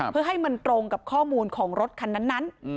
เพื่อให้มันตรงกับข้อมูลของรถคันนั้น